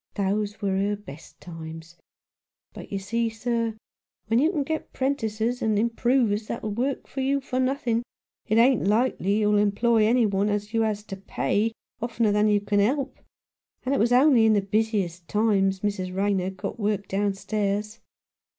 Those was her best times. But, you see, sir, when you can get 'prentices and improvers that'll work for you for nothing, it ain't likely you'll employ any one as you has to pay, oftener than you can help, and it was only in the busiest times Mrs. Rayner got work downstairs.